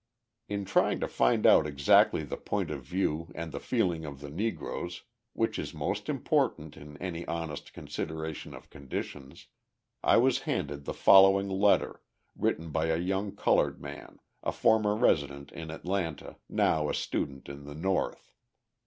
In trying to find out exactly the point of view and the feeling of the Negroes which is most important in any honest consideration of conditions I was handed the following letter, written by a young coloured man, a former resident in Atlanta now a student in the North.